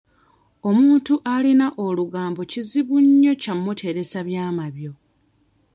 Omuntu alina olugambo kizibu nnyo kya kumuteresa byama byo.